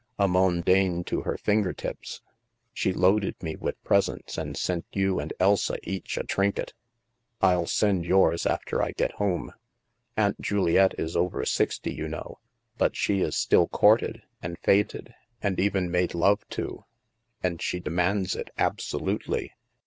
A mondaine to her fin ger tips. She loaded me with presents and sent you and Elsa each a trinket; I'll send yours after I get home. Aunt Juliette is over sixty, you know, but she is still courted, and feted, and even made love to. And she demands it, absolutely.